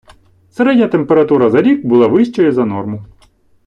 Середня температура за рік була вищою за норму.